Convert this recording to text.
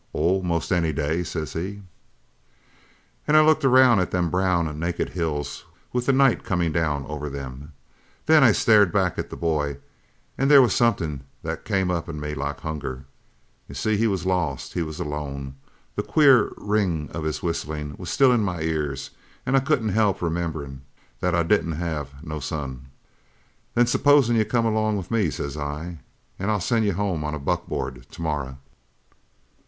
"'Oh, most any day,' says he. "An' I looked around at them brown, naked hills with the night comin' down over them. Then I stared back at the boy an' there was something that come up in me like hunger. You see, he was lost; he was alone; the queer ring of his whistlin' was still in my ears; an' I couldn't help rememberin' that I didn't have no son. "'Then supposin' you come along with me,' says I, 'an' I'll send you home in a buckboard tomorrow?'